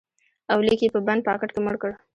اولیک یې په بند پاکټ کې مړ کړ